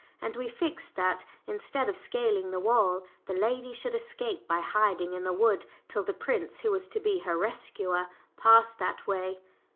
And we fixed that, instead of "scaling the wall," the lady should escape by hiding in the wood till the prince who was to be her rescuer passed that way.